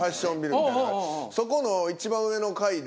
そこの一番上の階で。